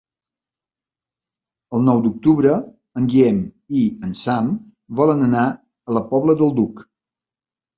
El nou d'octubre en Guillem i en Sam volen anar a la Pobla del Duc.